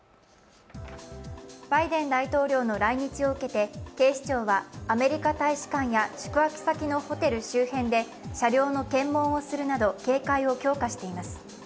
バイデン大統領の来日を受けて警視庁はアメリカ大使館や宿泊先のホテル周辺で車両の検問をするなど警戒を強化しています。